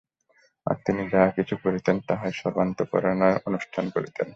আর তিনি যাহা কিছু করিতেন, তাহাই সর্বান্তঃকরণে অনুষ্ঠান করিতেন।